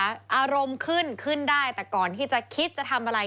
อารมณ์ขึ้นขึ้นได้แต่ก่อนที่จะคิดจะทำอะไร